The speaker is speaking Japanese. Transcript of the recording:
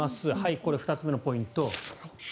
これ、２つ目のポイント